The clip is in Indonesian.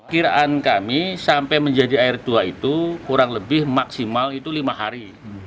kiraan kami sampai menjadi air dua itu kurang lebih maksimal itu lima hari